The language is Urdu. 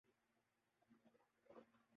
اس کی ایک تازہ مثال